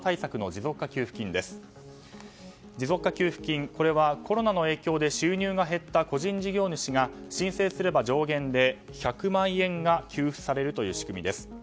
持続化給付金、これはコロナの影響で収入が減った個人事業主が申請すれば上限で１００万円が給付されるという仕組みです。